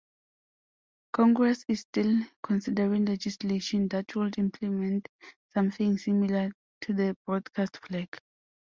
Congress is still considering legislation that would implement something similar to the Broadcast Flag.